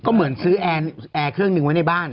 ก็เหมือนซื้อแอร์เครื่องหนึ่งไว้ในบ้าน